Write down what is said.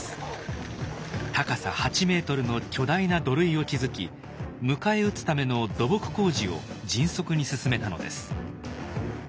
高さ８ｍの巨大な土塁を築き迎え撃つための土木工事を迅速に進めたのです。